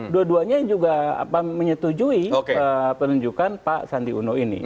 dua duanya yang juga menyetujui penunjukan pak sandi uno ini